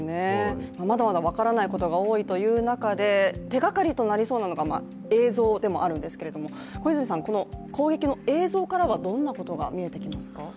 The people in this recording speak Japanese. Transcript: まだまだ分からないことが多いという中で、手がかりとなりそうなのが映像でもあるんですけれどもこの攻撃の映像からはどんなことが見えてきますか？